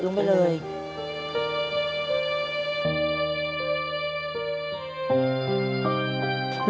ลูกสามารถรอบบินแห้งแพ้ค่ะ